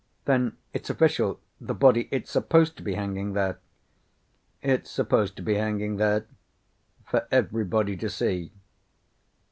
"Then it's official? The body it's supposed to be hanging there?" "It's supposed to be hanging there. For everybody to see."